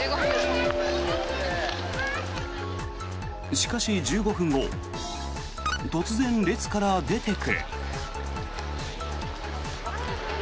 しかし、１５分後突然、列から出ていく。